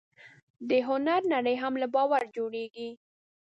د هنر نړۍ هم له باور جوړېږي.